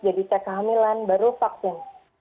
jadi cek kehamilan baru vaksin